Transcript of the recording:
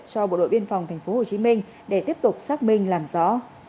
cho bộ đội biên phòng tp hcm để tiếp tục xác minh làm rõ